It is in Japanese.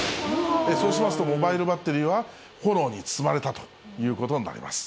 そうしますと、モバイルバッテリーは炎に包まれたということになります。